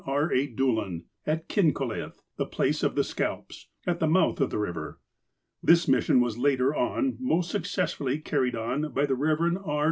R. A. Doolan, at Kincolith (the place of the scalps), at the mouth of the river. This mission was, later on, most successfully car ried on by the Rev. R.